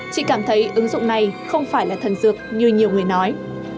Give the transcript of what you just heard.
chị cảm thấy ứng dụng này không phải là thần dược như nhiều người nói